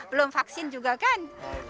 belum vaksin juga kan